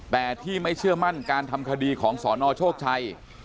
แต่ที่ไม่เชื่อมั่นการทำคดีของสนโชคชัย